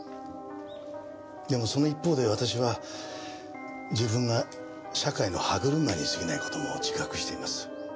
でもその一方で私は自分が社会の歯車にすぎない事も自覚しています。